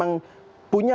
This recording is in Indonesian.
lalu ada peserta ya